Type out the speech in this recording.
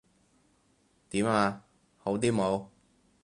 點呀？好啲冇？